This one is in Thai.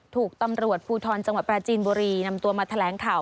ถูกตำรวจภูทรจังหวัดปราจีนบุรีนำตัวมาแถลงข่าว